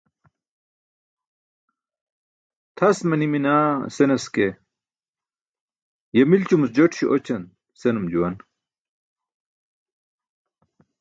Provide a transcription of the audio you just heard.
"tʰas manimi naa" senas ke "ye milcumuc jooṭiśo oćan" senum juwan.